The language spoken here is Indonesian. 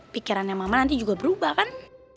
pikirannya mama nanti juga berubah kan